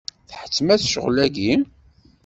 Tḥettem-as ccɣel-agi.